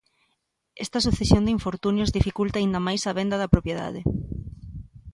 Esta sucesión de infortunios dificulta aínda máis a venda da propiedade.